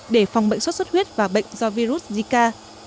để phòng bệnh sốt xuất huyết và bệnh do virus zika